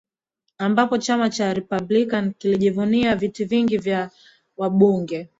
ambapo chama cha republican kilijivunia viti vingi vya wambunge